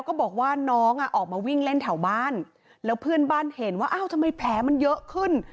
ก็บอกว่าน้องอ่ะออกมาวิ่งเล่นแถวบ้านแล้วเพื่อนบ้านเห็นว่าอ้าวทำไมแผลมันเยอะขึ้น